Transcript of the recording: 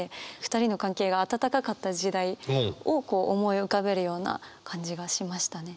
２人の関係が温かかった時代を思い浮かべるような感じがしましたね。